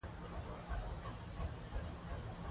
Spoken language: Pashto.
د احمد په مشرۍ يو پلاوی وټاکل شو.